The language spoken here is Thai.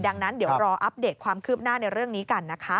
ดังนั้นเดี๋ยวรออัปเดตความคืบหน้าในเรื่องนี้กันนะคะ